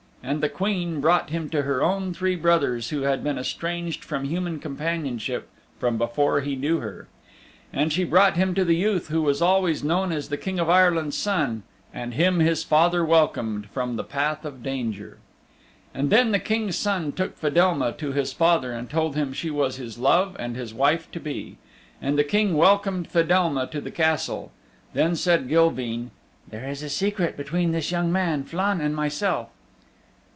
And the queen brought him to her own three brothers who had been estranged from human companionship from before he knew her. And she brought him to the youth who was always known as the King of Ireland's Son, and him his father welcomed from the path of danger. And then the King's Son took Fedelma to his father and told him she was his love and his wife to be. And the King welcomed Fedelma to the Castle. Then said Gilveen, "There is a secret between this young man, Flann, and myself."